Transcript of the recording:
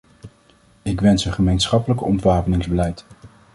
Ik wens een gemeenschappelijk ontwapeningsbeleid.